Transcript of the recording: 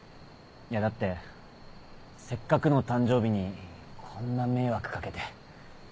いやだってせっかくの誕生日にこんな迷惑掛けて。